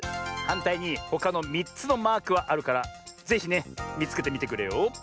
はんたいにほかの３つのマークはあるからぜひねみつけてみてくれよ。